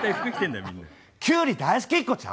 キュウリ大好きっ子ちゃん？